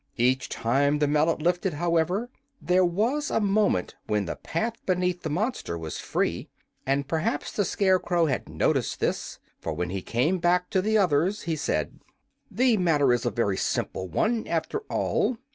Each time the mallet lifted, however, there was a moment when the path beneath the monster was free, and perhaps the Scarecrow had noticed this, for when he came back to the others he said: "The matter is a very simple one, after all.